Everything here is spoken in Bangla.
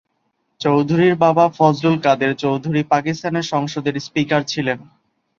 চৌধুরীর বাবা ফজলুল কাদের চৌধুরী পাকিস্তানের সংসদের স্পিকার ছিলেন।